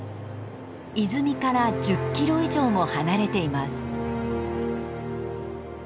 泉から１０キロ以上も離れています。